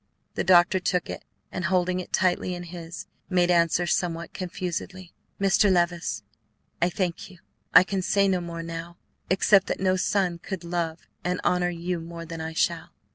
The doctor took it, and holding it tightly in his, made answer somewhat confusedly, "Mr. Levice, I thank you. I can say no more now, except that no son could love and honor you more than I shall."